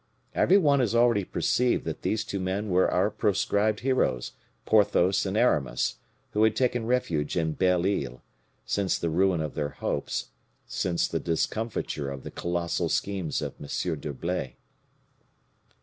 Every one has already perceived that these two men were our proscribed heroes, Porthos and Aramis, who had taken refuge in Belle Isle, since the ruin of their hopes, since the discomfiture of the colossal schemes of M. d'Herblay.